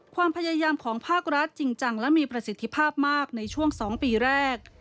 ความพยายามของภาครัฐจริงจังและมีประสิทธิภาพมากในช่วง๒ปีแรก